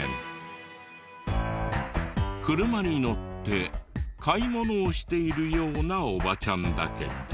車に乗って買い物をしているようなおばちゃんだけど。